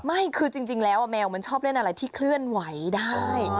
ไม่คือจริงแล้วแมวมันชอบเล่นอะไรที่เคลื่อนไหวได้